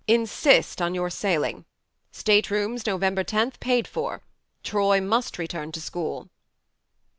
"Insist on your sailing. Staterooms November tenth paid for. Troy must return to school."